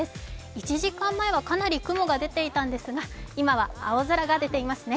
１時間前はかなり雲が出ていたんですが今は青空が出ていますね。